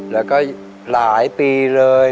แล้วก็หลายปีเลย